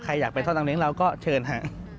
ใครอยากไปท่อนำเนี้ยของเราก็เชิญค่ะ